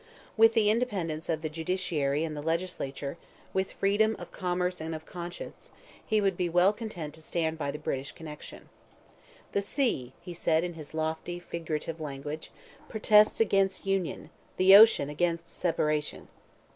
With the independence of the judiciary and the legislature, with freedom of commerce and of conscience, he would be well content to stand by the British connection. "The sea," he said, in his lofty figurative language, "protests against union—the ocean against separation."